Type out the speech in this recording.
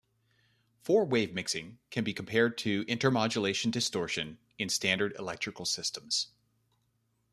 Four-wave mixing can be compared to the intermodulation distortion in standard electrical systems.